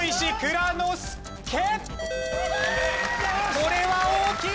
これは大きい！